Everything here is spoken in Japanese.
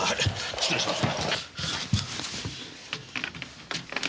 失礼します。